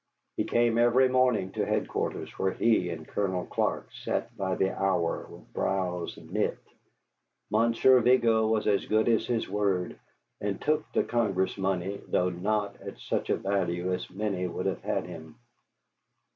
He came every morning to headquarters, where he and Colonel Clark sat by the hour with brows knit. Monsieur Vigo was as good as his word, and took the Congress money, though not at such a value as many would have had him.